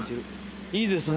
いいですね。